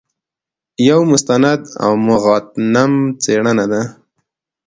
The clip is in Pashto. یو مستند او مغتنم څېړنه ده.